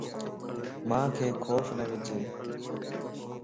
مانک خوف نه وج